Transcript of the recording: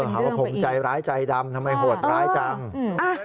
หาว่าผมใจร้ายใจดำทำไมโหดร้ายจัง